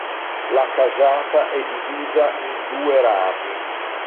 La casata è divisa in due rami.